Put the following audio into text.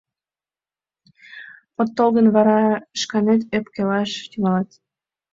От тол гын, вара шканет ӧпкелаш тӱҥалат!..»